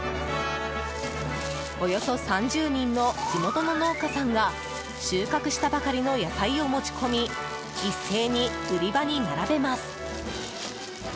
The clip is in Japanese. およそ３０人の地元の農家さんが収穫したばかりの野菜を持ち込み一斉に売り場に並べます。